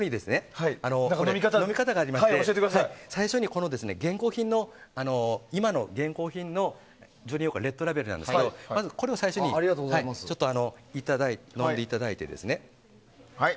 飲み方がありまして最初に今の現行品のジョニーウォーカーレッドラベルなんですがまずはこれを最初に飲んでいただいて。